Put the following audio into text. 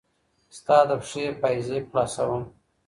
ستا د پښې پايزيب خلاصوم